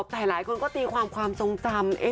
แต่หลายคนก็ตีความความทรงจำ